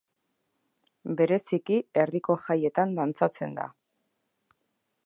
Bereziki herriko jaietan dantzatzen da.